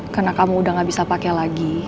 karena kamu udah gak bisa pake lagi